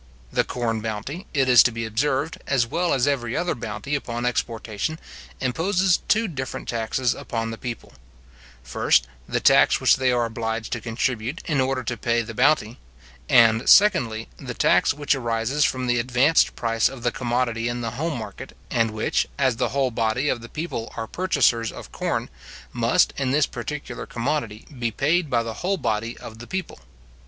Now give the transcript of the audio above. The corn bounty, it is to be observed, as well as every other bounty upon exportation, imposes two different taxes upon the people; first, the tax which they are obliged to contribute, in order to pay the bounty; and, secondly, the tax which arises from the advanced price of the commodity in the home market, and which, as the whole body of the people are purchasers of corn, must, in this particular commodity, be paid by the whole body of the people.